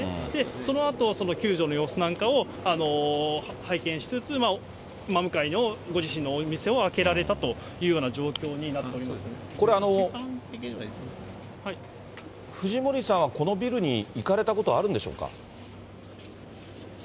そのあと、救助の様子なんかを拝見しつつ、真向かいのご自身のお店を開けられたというような状況になっておこれは、藤森さんはこのビルに行かれたことあるんでしょうか。